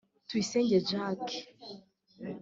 Tuyisenge Jacques